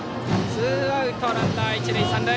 ツーアウトランナー、一塁三塁。